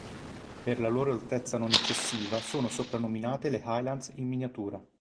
Per la loro altezza non eccessiva, sono soprannominate le "Highlands in miniatura".